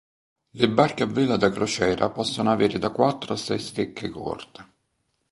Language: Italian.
Le barche a vela da crociera possono avere da quattro a sei stecche corte.